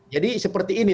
jadi seperti ini